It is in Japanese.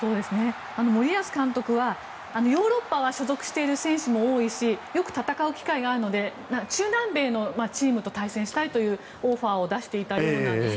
森保監督は、ヨーロッパは所属している選手も多いしよく戦う機会があるので中南米のチームと対戦したいというオファーを出していたようなんです。